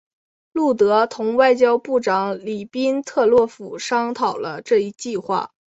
路德同外交部长里宾特洛甫商讨了这一计划。